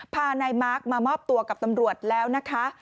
พานายมาร์คมามอบตัวกับตำรวจแล้วนะคะ